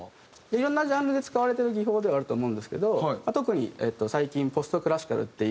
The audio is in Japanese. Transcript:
いろんなジャンルで使われてる技法ではあると思うんですけど特に最近ポスト・クラシカルっていう。